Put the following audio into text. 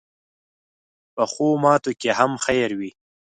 پخو ماتو کې هم خیر وي